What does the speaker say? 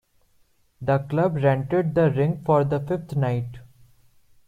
The club rented the rink for the fifth night.